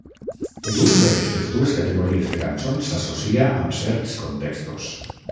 L'ús d'aquestes dues categories de cançons s'associa amb certs contextos.